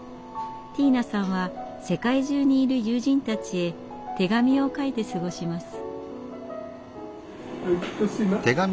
ティーナさんは世界中にいる友人たちへ手紙を書いて過ごします。